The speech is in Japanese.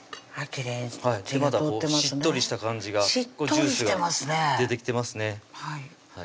しっとりした感じがジュースが出てきてますね